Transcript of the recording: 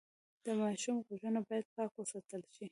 د ماشوم غوږونه باید پاک وساتل شي۔